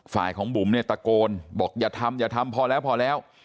ฝ่ายของบุ๋มเนี่ยตะโกนบอกอย่าทำอย่าทำพอแล้วพอแล้ว